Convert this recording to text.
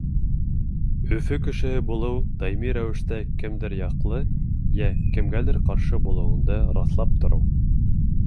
Өфө кешеһе булыу — даими рәүештә кемдер яҡлы йә кемгәлер ҡаршы булыуыңды раҫлап тороу.